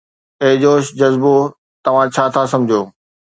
اي جوش جذبو! توهان ڇا ٿا سمجهو؟